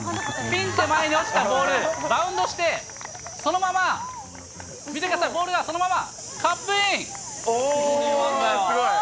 ピン手前に落ちたボール、バウンドして、そのまま、見てください、ボールがそのまま、カップイン。